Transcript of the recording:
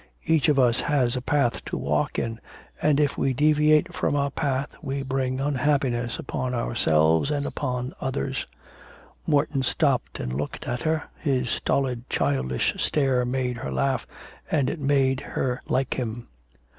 Each of us has a path to walk in, and if we deviate from our path we bring unhappiness upon ourselves and upon others.' Morton stopped and looked at her, his stolid childish stare made her laugh, and it made her like him.